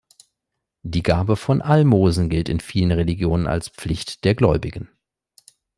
Die Gabe von Almosen gilt in vielen Religionen als Pflicht der Gläubigen.